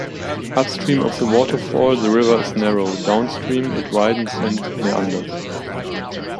Upstream of the waterfall, the river is narrow; downstream, it widens and meanders.